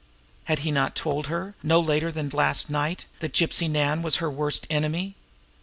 Had he not told her, no later than last night, that Gypsy Nan was her worst enemy?